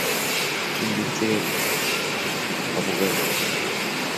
Industriales... Abogados...